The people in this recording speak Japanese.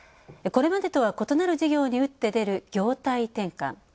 これまでとは異なる事業に打って出る業態転換。